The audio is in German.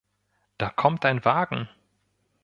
Da kommt ein Wagen!